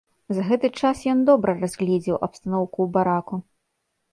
За гэты час ён добра разгледзеў абстаноўку ў бараку.